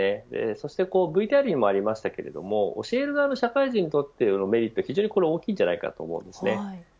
そしてＶＴＲにもありましたけれども教える側の社会人にとっても非常にメリットが大きいと思います。